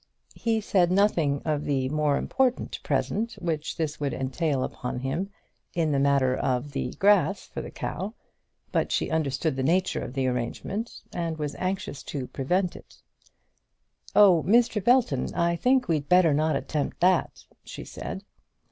He said nothing of the more important present which this would entail upon him in the matter of the grass for the cow; but she understood the nature of the arrangement, and was anxious to prevent it. "Oh, Mr. Belton, I think we'd better not attempt that," she said.